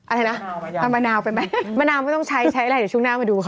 อะไรนะเอามะนาวไปไหมมะนาวไม่ต้องใช้ใช้อะไรเดี๋ยวช่วงหน้ามาดูค่ะ